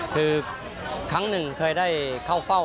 คือครั้งหนึ่งเคยได้เข้าเฝ้า